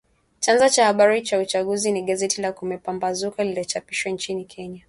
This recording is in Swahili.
Chanzo cha habari za uchaguzi ni gazeti la “Kumepambazuka" linalochapishwa nchini Kenya.